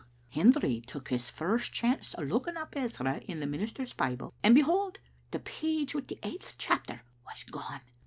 Hendry took his first chance o* looking up Ezra in the minister's Bible, and, behold, the page wi' the eighth chapter was gone.